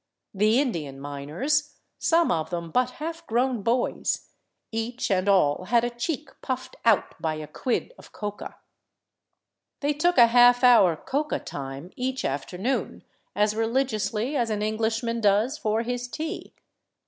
The Indian miners, some of them but half grown boys, each and all had a cheek puffed out by a quid of coca. They took a half hour " coca time " each afternoon, as religiously as an Englishman does for his tea.